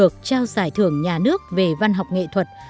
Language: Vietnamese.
chào giải thưởng nhà nước về văn học nghệ thuật